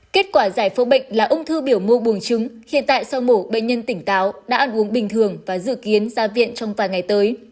kết quả giải phẫu bệnh là ung thư biểu mô buồng trứng hiện tại sau mổ bệnh nhân tỉnh táo đã ăn uống bình thường và dự kiến ra viện trong vài ngày tới